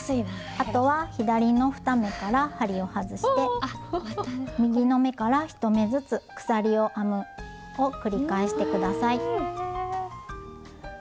あとは左の２目から針を外して右の目から１目ずつ鎖を編むを繰り返して下さい。